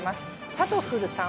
「さとふる」さん